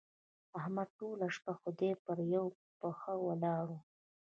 احمد ټوله شپه خدای ته پر يوه پښه ولاړ وو.